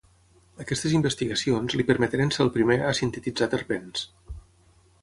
Aquestes investigacions li permeteren ser el primer a sintetitzar terpens.